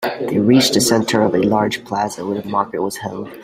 They reached the center of a large plaza where the market was held.